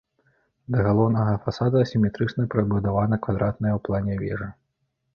Да галоўнага фасада асіметрычна прыбудавана квадратная ў плане вежа.